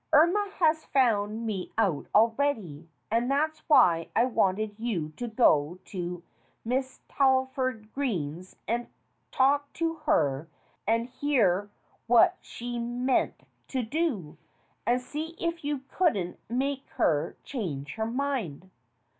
Irma has found me out already, and that's why I wanted you to go to Mrs. Talford Green's and talk to her and hear what she meant to do, and see if you couldn't make her change her mind."